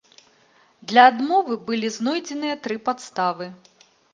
Для адмовы былі знойдзеныя тры падставы.